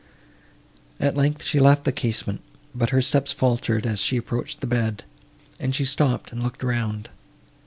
At length, she left the casement, but her steps faltered, as she approached the bed, and she stopped and looked round.